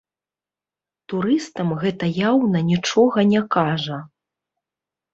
Турыстам гэта яўна нічога не кажа.